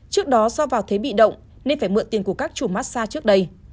trước đó do vào thế bị động nên phải mượn tiền của các chủ massag trước đây